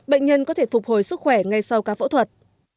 bệnh nhân có thể phục hồi sức khỏe ngay sau ca phẫu thuật